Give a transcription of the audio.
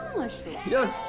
よし。